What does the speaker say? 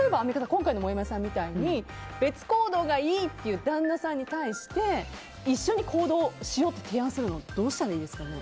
今回のもやもやさんみたいに別行動がいいっていう旦那さんに対して一緒に行動しようって提案するにはどうすればいいですかね？